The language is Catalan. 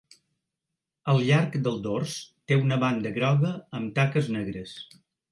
Al llarg del dors té una banda groga amb taques negres.